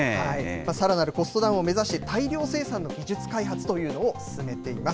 さらなるコストダウンを目指して、大量生産の技術開発というのを進めています。